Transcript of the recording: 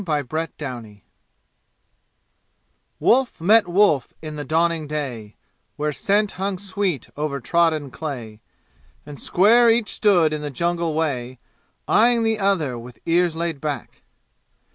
Chapter XVI Wolf met wolf in the dawning day Where scent hung sweet over trodden clay, And square each stood in the jungle way Eyeing the other with ears laid back.